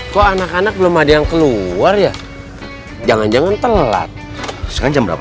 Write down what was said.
kok anak anak belum ada yang keluar ya jangan jangan telat sekarang jam berapa